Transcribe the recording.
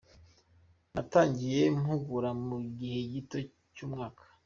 Natangiye mpugura mu gihe gito cy’umwaka.